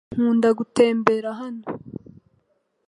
Nkunda gutembera hano .